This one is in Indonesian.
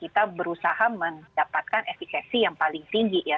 kita berusaha mendapatkan efekasi yang paling tinggi ya